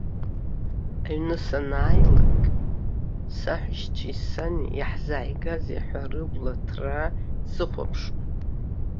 Аҩны санааилак, саҳәшьцәеи сани иаҳзааигазеи ҳәа рыбла ҭраа исыхәаԥшуан.